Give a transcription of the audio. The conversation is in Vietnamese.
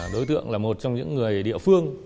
đối tượng là một trong những người địa phương